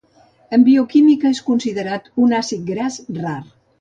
En bioquímica és considerat un àcid gras rar.